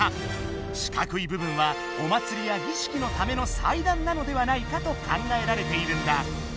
四角いぶぶんはお祭りや儀式のための祭壇なのではないかと考えられているんだ。